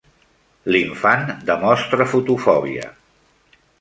L'infant demostra fotofòbia.